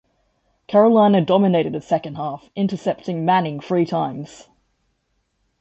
Carolina dominated the second half, intercepting Manning three times.